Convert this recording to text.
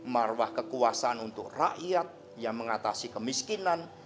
marwah kekuasaan untuk rakyat yang mengatasi kemiskinan